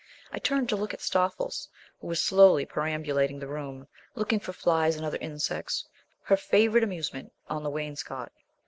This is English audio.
I turned to look at Stoffles, who was slowly perambulating the room, looking for flies and other insects (her favourite amusement) on the wainscot.